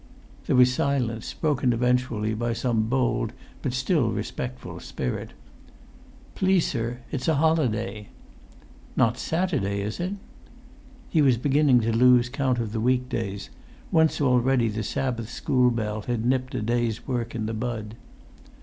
There was silence, broken eventually by some bold but still respectful spirit. "Please, sir, it's a holiday." "Not Saturday, is it?" He was beginning to lose count of the week days;[Pg 191] once already the Sabbath school bell had nipped a day's work in the bud.